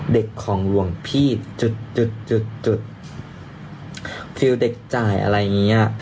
เด็กของหลวงพี่